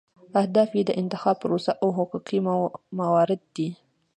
اهداف یې د انتخاب پروسه او حقوقي موارد دي.